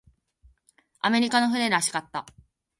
アメリカの船らしかった。